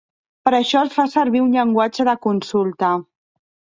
Per a això es fa servir un llenguatge de consulta.